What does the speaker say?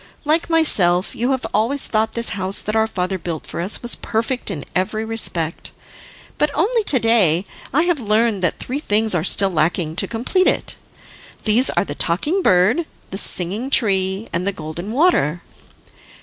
Like myself, you have always thought this house that our father built for us was perfect in every respect, but only to day I have learned that three things are still lacking to complete it. These are the Talking Bird, the Singing Tree, and the Golden Water."